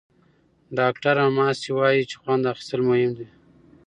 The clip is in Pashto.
ډاکټره ماسي وايي چې خوند اخیستل مهم دي.